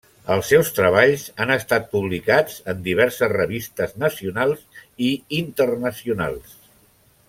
Els seus treballs han estat publicats en diverses revistes nacionals i internacionals.